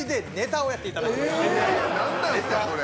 何なんすかそれ。